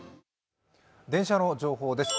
電車の情報です。